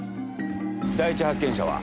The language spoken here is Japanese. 第一発見者は？